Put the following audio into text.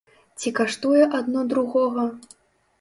Ці каштуе адно другога?